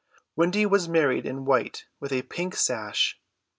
Wendy was married in white with a pink sash.